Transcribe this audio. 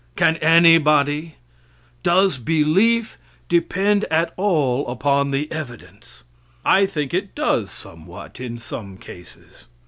Can anybody? Does belief depend at all upon the evidence? I think it does somewhat in some cases.